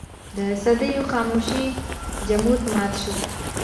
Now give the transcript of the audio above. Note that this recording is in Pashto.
د صدېو خاموشۍ جمود مات شو.